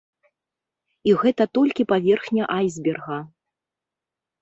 І гэта толькі паверхня айсберга.